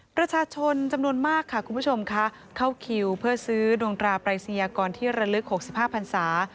ประชาชนจำนวนมากค่ะคุณผู้ชมค่ะเข้าคิวเพื่อซื้อดวงตราปรายศนียากรที่ระลึก๖๕พันศา